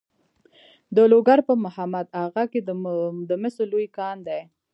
د لوګر په محمد اغه کې د مسو لوی کان دی.